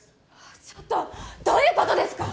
ちょっとどういうことですか？